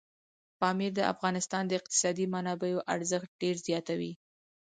پامیر د افغانستان د اقتصادي منابعو ارزښت ډېر زیاتوي.